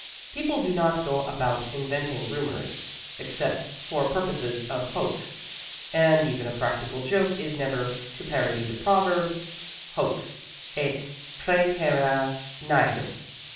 People do not go about inventing rumors, except for purposes of hoax; and even a practical joke is never (to parody the proverb) hoax et præterea nihil.